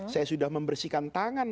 saya sudah membersihkan tangan